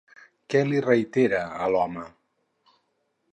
Què li reitera a l'home?